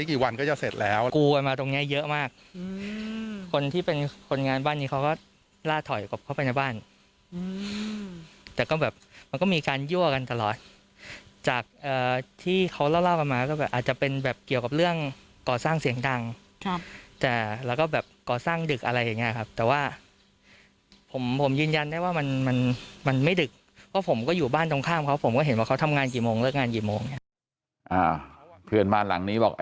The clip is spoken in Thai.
กี่วันก็จะเสร็จแล้วกูกันมาตรงเนี้ยเยอะมากอืมคนที่เป็นคนงานบ้านนี้เขาก็ลาถอยกับเข้าไปในบ้านอืมแต่ก็แบบมันก็มีการยั่วกันตลอดจากเอ่อที่เขาเล่าเล่ากันมาก็แบบอาจจะเป็นแบบเกี่ยวกับเรื่องก่อสร้างเสียงดังครับแต่แล้วก็แบบก่อสร้างดึกอะไรอย่างเงี้ยครับแต่ว่าผมผมยืนยันได้ว่ามันมันมั